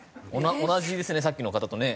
同じですねさっきの方とね。